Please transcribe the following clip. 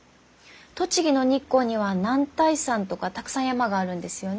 栃木の日光には男体山とかたくさん山があるんですよね。